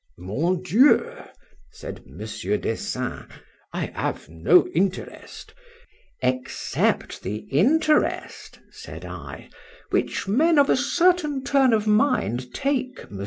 Mon Dieu! said Mons. Dessein,—I have no interest—Except the interest, said I, which men of a certain turn of mind take, Mons.